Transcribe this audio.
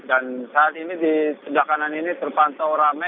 dan saat ini di sedekanan ini terpantau rame